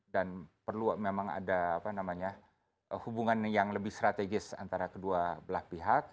dan perlu memang ada hubungan yang lebih strategis antara kedua belah pihak